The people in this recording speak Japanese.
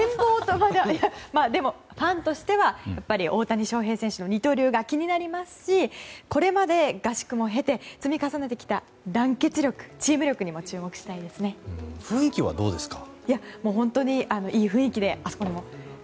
ファンとしては大谷選手の二刀流が気になりますしこれまで合宿も経て積み重ねてきた団結力チーム力にも雰囲気はどうですか。